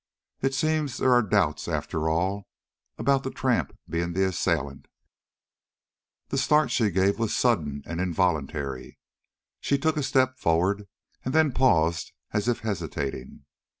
"It seems there are doubts, after all, about the tramp being the assailant." The start she gave was sudden and involuntary. She took a step forward and then paused as if hesitating.